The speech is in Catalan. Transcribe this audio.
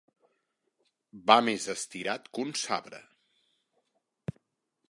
Va més estirat que un sabre.